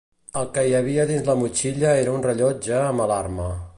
El que hi havia dins la motxilla era un rellotge amb alarma.